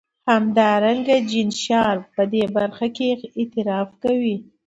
همدارنګه جین شارپ په دې برخه کې اعتراف کوي.